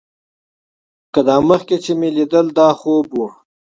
که دا مخکې چې مې ليدل دا خوب و.